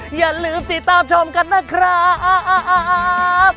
อย่าลืมติดตามชมกันนะครับ